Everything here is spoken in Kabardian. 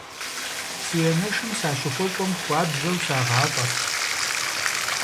Си анэшым сащыхуэкӀуэм хуабжьэу сагъафӏэрт.